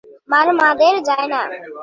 মারমাদের যায় না।